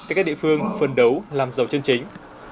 các địa phương phần đấu làm giàu chân chính